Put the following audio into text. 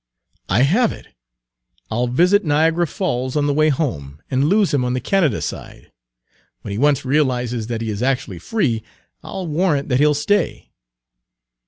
I have it! I'll visit Niagara Falls on the way home, and lose him on the Canada side. When he once realizes that he is actually free, I'll warrant that he'll stay."